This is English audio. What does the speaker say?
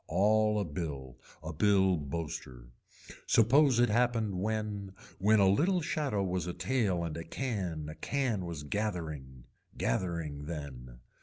All a bill, a bill boaster. Suppose it happened when, when a little shadow was a tail and a can a can was gathering. Gathering then.